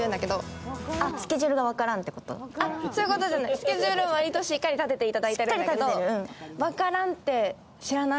スケジュールは割としっかり立てていただいているんだけど。